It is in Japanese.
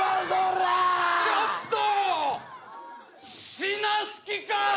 死なす気か！